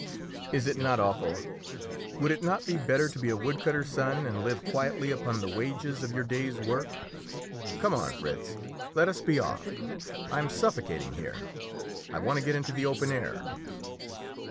Is it not awful? Would it not be better to be a woodcutter's son and live quietly upon the wages of your day's work? Come on, Fritz; let us be off. I am suffocating here; I want to get into the open air."